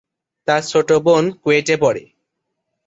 তার ছোট বোন কুয়েটে পড়ে।